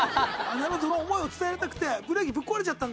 なるほどその思いを伝えたくてブレーキぶっ壊れちゃったんだ。